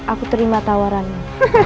aku terima tawarannya